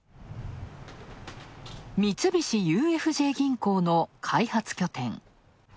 三菱ＵＦＪ銀行の開発拠点。